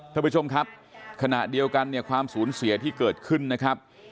ท่านผู้ชมครับขณะเดียวกันเนี่ยความสูญเสียที่เกิดขึ้นนะครับ